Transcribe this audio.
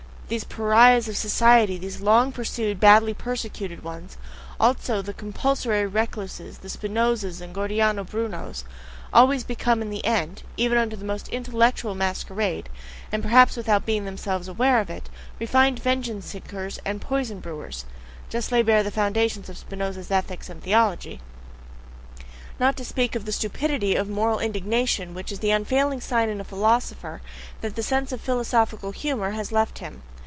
These pariahs of society, these long pursued, badly persecuted ones also the compulsory recluses, the Spinozas or Giordano Brunos always become in the end, even under the most intellectual masquerade, and perhaps without being themselves aware of it, refined vengeance seekers and poison Brewers (just lay bare the foundation of Spinoza's ethics and theology!), not to speak of the stupidity of moral indignation, which is the unfailing sign in a philosopher that the sense of philosophical humour has left him.